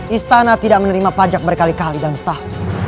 istana tidak menerima pajak berkali kali dalam setahun